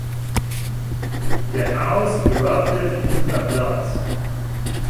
The house erupted into applause.